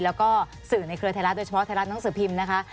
แล้วก็สื่อในเครือไทยรัฐโดยเฉพาะไทยรัฐหนังสือพิมพ์นะคะ